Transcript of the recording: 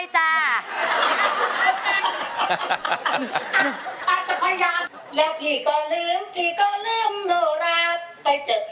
อาจจะพยายามแล้วพี่ก็ลืมพี่ก็ลืมโนราไปเจอ